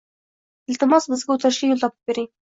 Iltimos, bizga oʻtishga yoʻl topib bering!